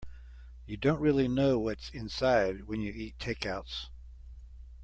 You don't really know what's inside when you eat takeouts.